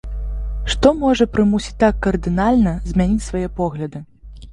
Што можа прымусіць так кардынальна змяніць свае погляды?